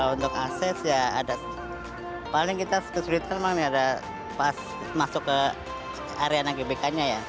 untuk asean paling kita kesulitan adalah pas masuk ke area anak gbk